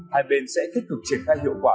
hai bên sẽ thích cực triển khai hiệu quả